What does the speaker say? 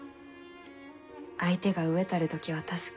相手が飢えたる時は助け